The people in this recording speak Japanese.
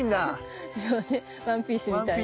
そうねワンピースみたいなね。